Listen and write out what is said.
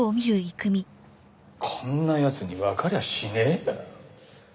こんな奴にわかりゃしねえよ。